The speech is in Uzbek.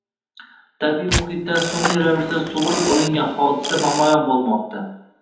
tabiiy muhitdan sun’iy ravishda sug‘urib olingan hodisa namoyon bo‘lmoqda.